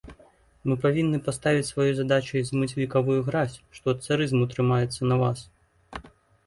Мы павінны паставіць сваёй задачай змыць векавую гразь, што ад царызму трымаецца на вас.